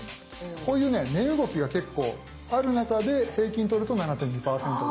こういうね値動きが結構ある中で平均とると「７．２％」だよ。